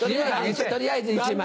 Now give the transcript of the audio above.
取りあえず１枚。